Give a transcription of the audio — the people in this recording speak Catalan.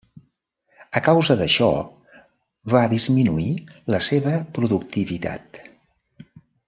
A causa d'això, va disminuir la seva productivitat.